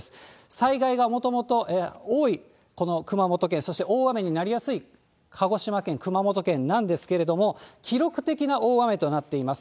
災害がもともと多い、この熊本県、そして大雨になりやすい鹿児島県、熊本県なんですけれども、記録的な大雨となっています。